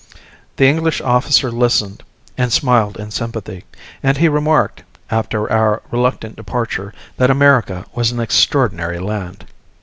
The English officer listened and smiled in sympathy, and he remarked, after our reluctant departure, that America was an extraordinary land.